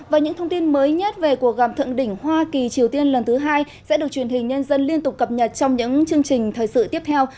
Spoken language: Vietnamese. và những thông tin mới nhất về cuộc gặp thượng đỉnh hoa kỳ triều tiên lần thứ hai sẽ được truyền hình nhân dân liên tục cập nhật trong những chương trình thời sự tiếp theo